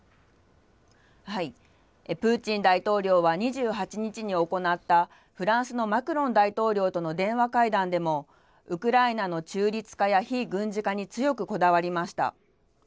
プーチン大統領は、２８日に行ったフランスのマクロン大統領との電話会談でも、ウクライナの中立化や非軍事化に強くこだわりました。